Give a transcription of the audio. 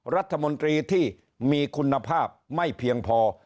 รัฐมนตรีที่มีคุณภาพไม่เพียงพอ